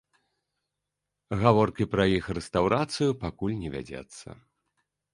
Гаворкі пра іх рэстаўрацыю пакуль не вядзецца.